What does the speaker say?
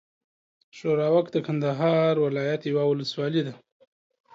ښوراوک د کندهار ولايت یوه اولسوالي ده.